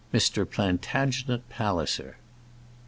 MR. PLANTAGENET PALLISER.